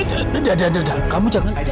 aiden aiden aiden aiden kamu jangan aja